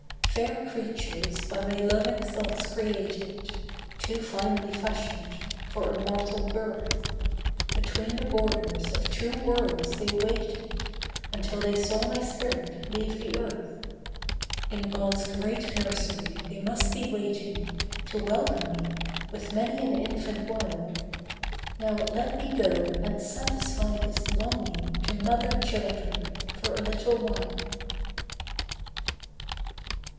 'Fair creatures by my loving thoughts created— Too finely fashioned for a mortal birth— Between the borders of two worlds they waited Until they saw my spirit leave the earth. In God's great nursery they must be waiting To welcome me with many an infant wile. Now let me go and satisfy this longing To mother children for a little while.